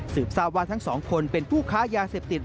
สืบสาวะทั้งสองคนเป็นผู้ค้ายาเสพติด